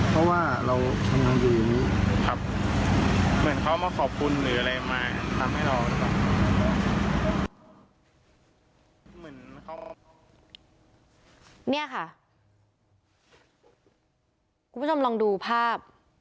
คุณผู้ชมลองดูภาพ